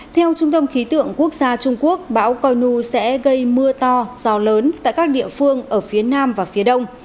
theo trung tâm khí tượng quốc gia trung quốc bão coi nu sẽ gây mưa to gió lớn tại các địa phương ở phía nam và phía đông